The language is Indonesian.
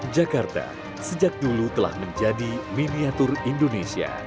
jakarta sejak dulu telah menjadi miniatur indonesia